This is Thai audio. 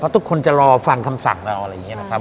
เพราะทุกคนจะรอฟังคำสั่งเรา